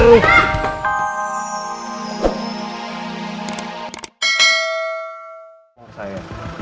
eh teman saya